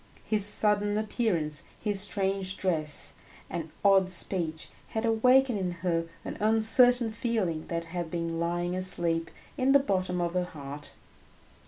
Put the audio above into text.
His sudden appearance, his strange dress and odd speech, had awakened in her an uncertain feeling that had been lying asleep in the bottom of her heart.